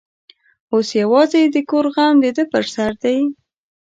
اوس یوازې د کور غم د ده پر سر دی.